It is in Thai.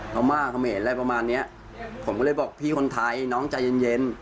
ม่าเขมรอะไรประมาณเนี้ยผมก็เลยบอกพี่คนไทยน้องใจเย็นเย็น